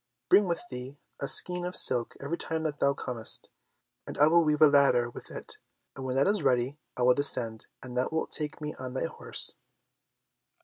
Bring with thee a skein of silk every time that thou comest, and I will weave a ladder with it, and when that is ready I will descend, and thou wilt take me on thy horse."